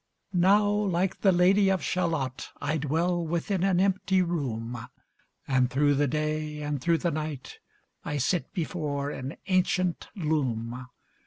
Now like the Lady of Shalott, I dwell within an empty room, And through the day and through the night I sit before an ancient loom.